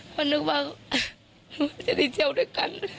มันนึกว่ามันจะที่เที่ยวด้วยกัน